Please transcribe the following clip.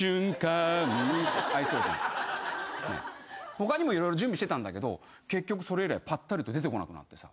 他にも色々準備してたんだけど結局それ以来ぱったりと出てこなくなってさ。